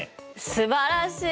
すばらしい！